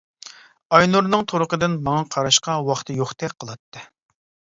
ئاينۇرنىڭ تۇرقىدىن ماڭا قاراشقا ۋاقتى يوقتەك قىلاتتى.